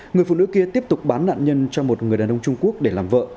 người phụ nữ kia tiếp tục bán nạn nhân cho một người đàn ông trung quốc để làm vợ